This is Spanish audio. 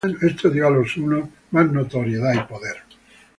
Esto dio a los hunos más notoriedad y poder.